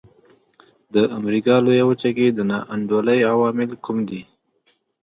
د امریکا لویه وچه کې د نا انډولۍ عوامل کوم دي.